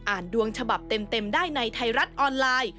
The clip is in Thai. ดวงฉบับเต็มได้ในไทยรัฐออนไลน์